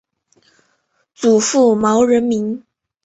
祖父毛仁民。